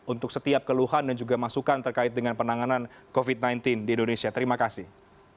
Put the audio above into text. untuk setiap keluhan dan juga masukan terkait dengan penanganan covid sembilan belas di indonesia terima kasih